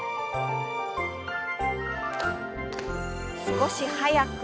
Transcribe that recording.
少し速く。